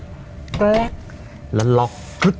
แล้วล็อก